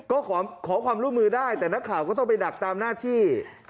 ก็ขอความร่วมมือได้แต่นักข่าวก็ต้องไปดักตามหน้าที่